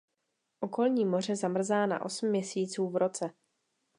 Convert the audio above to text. Okolní moře zamrzá na osm měsíců v roce.